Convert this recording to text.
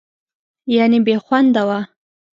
یعنې بېخونده وه.